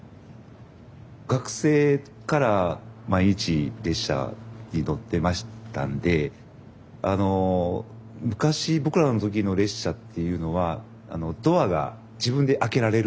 学生から毎日列車に乗ってましたんで昔僕らの時の列車っていうのはドアが自分で開けられるんですよね。